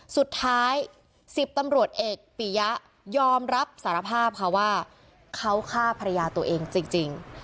สุดท้าย๑๐ตำรวจเอกปียะยอมรับสารภาพค่ะว่าเขาฆ่าภรรยาตัวเองจริง